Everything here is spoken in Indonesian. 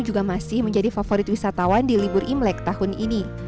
juga masih menjadi favorit wisatawan di libur imlek tahun ini